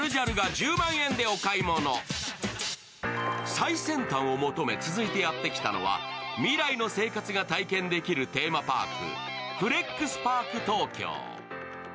最先端を求め続いてやってきたのは、未来の生活が体験できるテーマパーク、ＦＬＥＸＰａｒｋＴｏｋｙｏ。